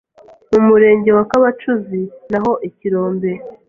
Mu Murenge wa Kabacuzi na ho ikirombe